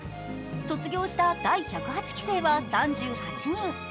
卒業した第１０８期生は３８人。